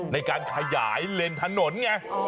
ในการขยายเลนส์ถนนไง